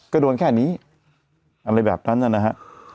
ก็โดนแค่นี้อะไรแบบนั้นนะฮะ